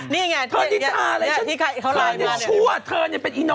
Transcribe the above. นี่ไงหนิถ้านะ